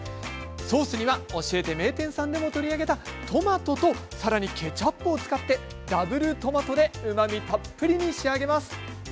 ソースには「教えて名店さん！」でも取り上げたトマトとさらにケチャップを使ってダブルトマトで、うまみたっぷりに仕上げます。